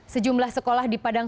sejumlah sekolah di padang